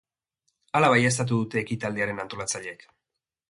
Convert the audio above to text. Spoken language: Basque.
Hala baieztatu dute ekitaldiaren antolatzaileek.